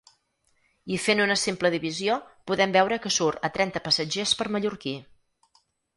I fent una simple divisió podem veure que surt a trenta passatgers per mallorquí.